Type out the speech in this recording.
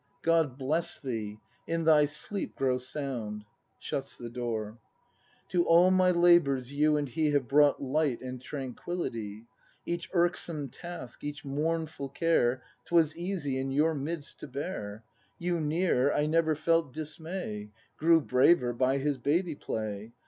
God bless thee; in thy sleep grow sound! [SJmts the door.] To all my labours you and he Have brought light and tranquillity; Each irksome task, each mournful care, 'Twas easy, in your midst, to bear; You near, I never felt dismay, Grew braver by his baby play.